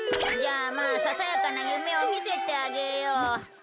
じゃあまあささやかな夢を見せてあげよう。